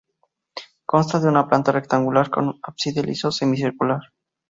Consta de una planta rectangular con un ábside liso semicircular.